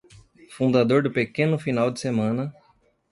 Fundador do pequeno final de semana